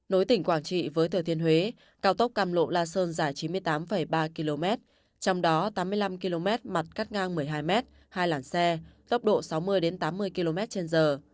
nối tỉnh quảng trị với thừa thiên huế cao tốc cam lộ la sơn dài chín mươi tám ba km trong đó tám mươi năm km mặt cắt ngang một mươi hai m hai hai làn xe tốc độ sáu mươi tám mươi km trên giờ